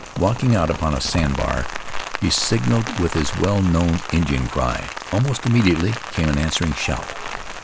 Walking out upon a sand bar he signaled with his well known Indian cry. Almost immediately came an answering shout.